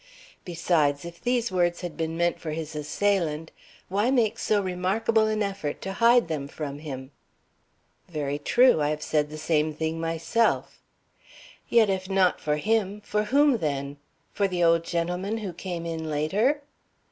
Besides, if these words had been meant for his assailant, why make so remarkable an effort to hide them from him?" "Very true! I have said the same thing to myself." "Yet, if not for him, for whom, then? For the old gentleman who came in later?"